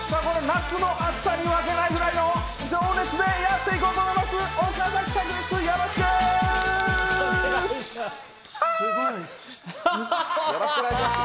夏の暑さに負けないぐらいの情熱でやって行こうと思います！